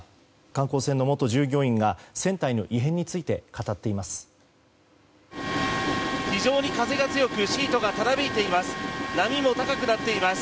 観光船の元従業員が船体の異変について語っています。